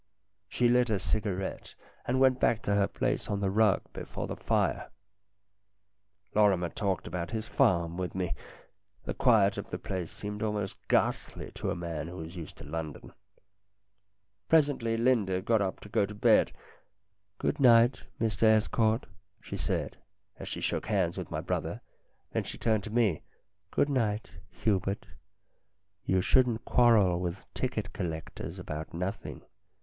She lit a cigarette, and went back to her place on the rug before the fire. Lorrimer talked about his farm with me. The quiet of the place seemed almost ghastly to a man who was used to London. Presently Linda got up to go to bed. " Good night, Mr Estcourt," she said, as she shook hands with my brother. Then she turned to me :" Good night, Hubert. You shouldn't quarrel with ticket collectors about nothing.